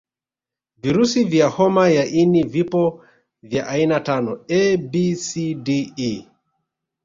Virusi vya homa ya ini vipo vya aina tano A B C D E